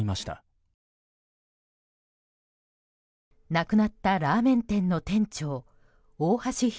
亡くなったラーメン店の店長大橋弘